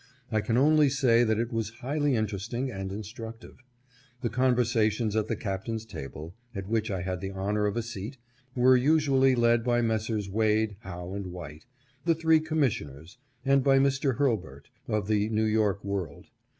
I can only say that it was highly interesting and instructive. The conversations at the Captain's table (at which I had the honor of a seat) were usually led by Messrs. Wade, Howe and White — the three commission ers ; and by Mr. Hurlburt of the New York World.